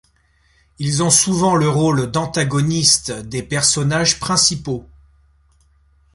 Ils ont souvent le rôle d'antagonistes des personnages principaux.